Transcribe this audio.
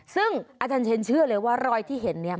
ซึ่งอาจารย์เชนเชื่อเลยว่ารอยที่เห็นเนี่ย